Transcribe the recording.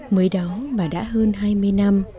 mới đó và đã hơn hai mươi năm